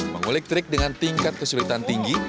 mengulik trik dengan tingkat kesulitan tinggi